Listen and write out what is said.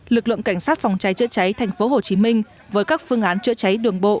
lực lượng cảnh sát phòng cháy chữa cháy tp hcm với các phương án chữa cháy đường bộ